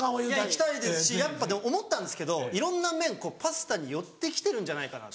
行きたいですしやっぱ思ったんですけどいろんな麺パスタに寄ってきてるんじゃないかなと。